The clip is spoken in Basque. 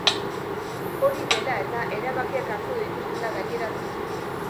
Hori dela eta, erabakiak hartu dituztela gaineratu du.